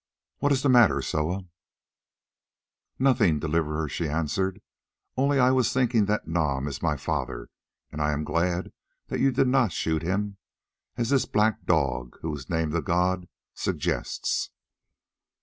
What is the matter, Soa?" "Nothing, Deliverer," she answered; "only I was thinking that Nam is my father, and I am glad that you did not shoot him, as this black dog, who is named a god, suggests."